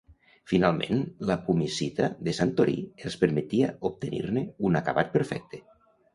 Finalment, la pumicita de Santorí els permetia obtenir-ne un acabat perfecte.